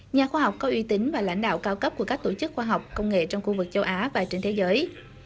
nhà khoa học có uy tín và lãnh đạo cao cấp của các tổ chức khoa học công nghệ trong khu vực châu á và trên thế giới